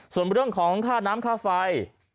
ส่วนเรื่องของข้าวน้ำข้าวไฟ